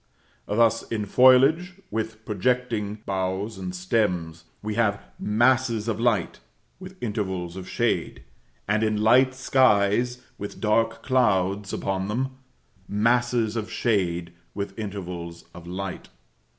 Thus, in foliage with projecting boughs or stems, we have masses of light, with intervals of shade; and, in light skies with dark clouds upon them, masses of shade with intervals of light.